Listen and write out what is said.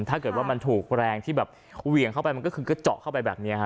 ถ้าเกิดว่ามันถูกแรงที่แบบเหวี่ยงเข้าไปมันก็คือก็เจาะเข้าไปแบบนี้ฮะ